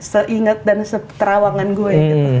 seingat dan seterawangan gue